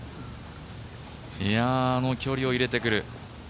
あの距離を入れてくる。